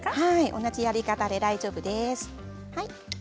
同じやり方で大丈夫です。